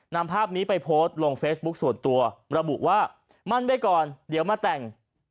นำภาพนี้ไปโพสต์ลงเฟซบุ๊คส่วนตัวระบุว่ามั่นไว้ก่อนเดี๋ยวมาแต่ง